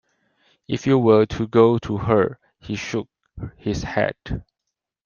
"If you were to go to her;" He shook his head.